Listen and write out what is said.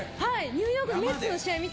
ニューヨークのメッツの試合見てきて。